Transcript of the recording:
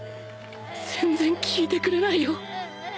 全然聞いてくれないよ